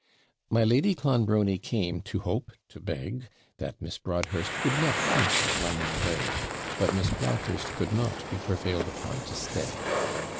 My Lady Clonbrony came to hope, to beg, that Miss Broadhurst would not think of running away; but Miss Broadhurst could not be prevailed upon to stay.